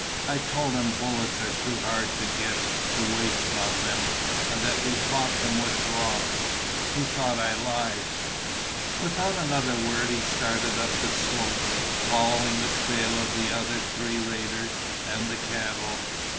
I told him bullets are too hard to get to waste on them, and that we fought them with rocks. He thought I lied." Without another word he started up the slope, following the trail of the other three raiders and the cattle.